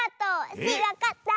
スイわかった！